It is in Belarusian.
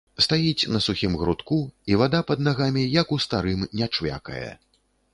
Стаіць на сухім грудку, і вада пад нагамі, як у старым, не чвякае.